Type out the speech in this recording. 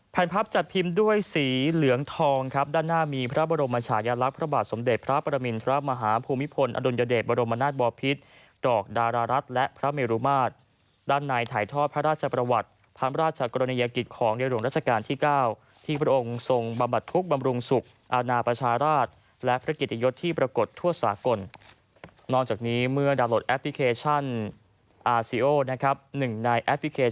แผ่นพับจัดพิมพ์ด้วยสีเหลืองทองครับด้านหน้ามีพระบรมชายลักษณ์พระบาทสมเด็จพระปรมินทรมาฮภูมิพลอดุลยเดชบรมนาศบอพิษตรอกดารารัฐและพระเมรุมาตรด้านในถ่ายทอพระราชประวัติพระราชกรณียกิจของเดียวหลวงราชการที่๙ที่พระองค์ส่งบำบัดทุกข์บำรุงสุขอาณาประชาราชและพฤติยศที่ป